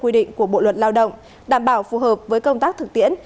quy định của bộ luật lao động đảm bảo phù hợp với công tác thực tiễn